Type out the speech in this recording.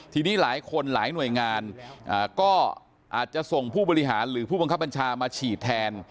ทีนี้หลายคนหลายหน่วยงานก็อาจจะส่งผู้บริหารหรือผู้บังคับบัญชามาฉีดแทน